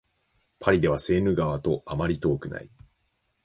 パリではセーヌ川とあまり遠くない